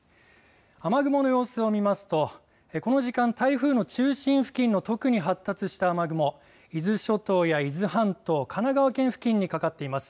雨雲の様子を見ますとこの時間、台風の中心付近の特に発達した雨雲、伊豆諸島や伊豆半島、神奈川県付近にかかっています。